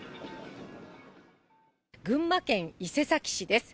群馬県伊勢崎市です。